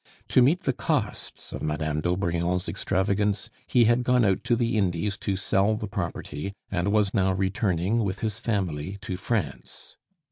To meet the costs of Madame d'Aubrion's extravagance, he had gone out to the Indies to sell the property, and was now returning with his family to France.